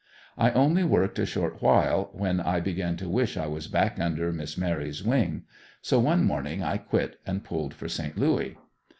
I only worked a short while when I began to wish I was back under "Miss Mary's" wing. So one morning I quit and pulled for Saint Louis.